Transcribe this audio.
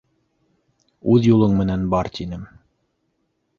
Үҙ юлың менән бар, тинем.